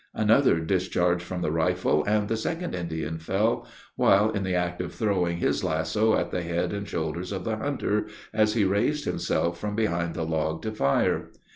Another discharge from the rifle, and the second Indian fell, while in the act of throwing his lasso at the head and shoulders of the hunter, as he raised himself from behind the log to fire.